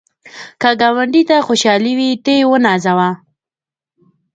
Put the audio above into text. که ګاونډي ته خوشحالي وي، ته یې ونازوه